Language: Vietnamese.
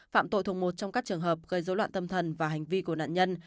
phạm tội thuộc một trong các trường hợp gây dối loạn tâm thần và hành vi của nạn nhân